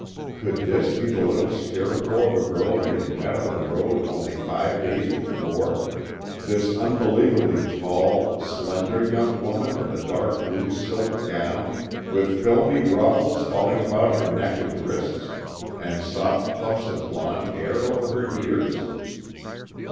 Could this be the little scarecrow of a girl he had met on the road only five days before; this unbelievably tall, slender young woman in the dark blue silk gown with filmy ruffles falling about her neck and wrists, and soft puffs of blond hair over her ears?